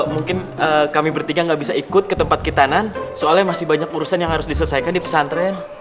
mungkin kami bertiga nggak bisa ikut ke tempat kitanan soalnya masih banyak urusan yang harus diselesaikan di pesantren